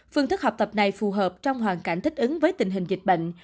phương thức học tập này phù hợp trong hoàn cảnh thích ứng với tình hình dịch bệnh